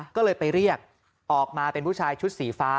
ก็เลยไปเรียกออกมาเป็นผู้ชายชุดสีฟ้า